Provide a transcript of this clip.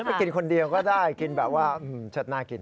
ไปกินคนเดียวก็ได้กินแบบว่าเชิดน่ากิน